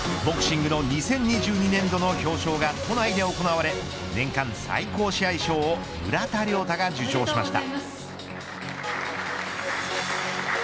ボクシングの２０２２年度の表彰が都内で行われ、年間最高試合賞を村田諒太が受賞しました。